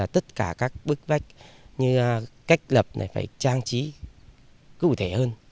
tất cả các bước vách như cách lập phải trang trí cụ thể hơn